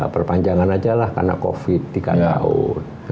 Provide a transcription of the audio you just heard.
perpanjangan aja lah karena covid tiga tahun